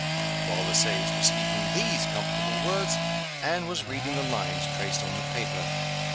While the sage was speaking these comfortable words, Anne was reading the lines traced on the paper.